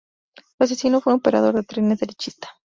Su asesino fue un operador de trenes derechista.